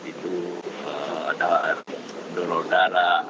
itu ada dorong darah